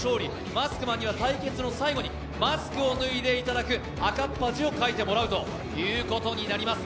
マスクマンには対決の最後にマスクを脱いでいただく、赤っ恥をかいていただくことになります。